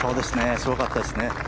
すごかったですね。